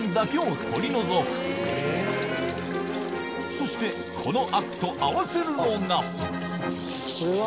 そしてこのアクと合わせるのがこれは？